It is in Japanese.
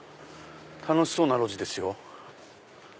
楽しそうな路地ですよ。